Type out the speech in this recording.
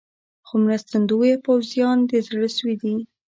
خو مرستندویه پوځیان د زړه سوي دي.